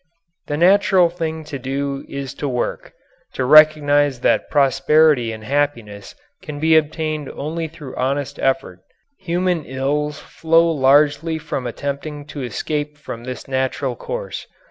The natural thing to do is to work to recognize that prosperity and happiness can be obtained only through honest effort. Human ills flow largely from attempting to escape from this natural course.